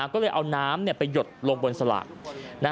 ก็เลยเอาน้ำไปหยดลงบนสลาก